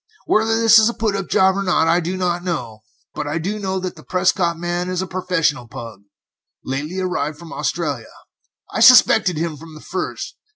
Whether this is a put up job or not, I do not know, but I do know that the Prescott man is a professional pug, lately arrived from Australia. I suspected him from the first.